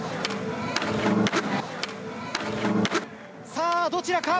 さあ、どちらか。